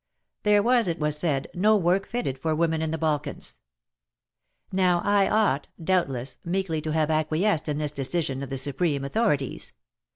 There was, it was said, ''no work fitted for women in the Balkans." Now I ought, doubt less, meekly to have acquiesced in this decision of the supreme authorities.